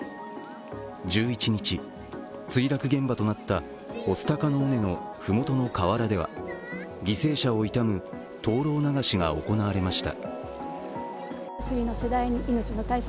１１日、墜落現場となった御巣鷹の尾根の麓の河原では犠牲者を悼む灯籠流しが行われました。